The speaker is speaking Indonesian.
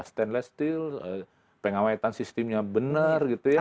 stainless steel pengawetan sistemnya benar gitu ya